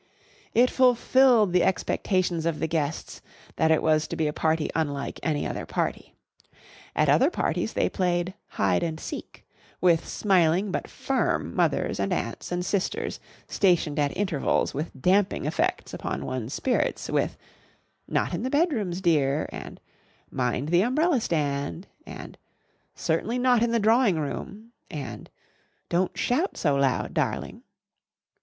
It fulfilled the expectations of the guests that it was to be a party unlike any other party. At other parties they played "Hide and Seek" with smiling but firm mothers and aunts and sisters stationed at intervals with damping effects upon one's spirits, with "not in the bedrooms, dear," and "mind the umbrella stand," and "certainly not in the drawing room," and "don't shout so loud, darling."